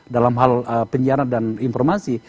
dalam hal penyiaran dan informasi